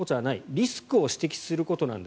リスクを指摘することなんだ。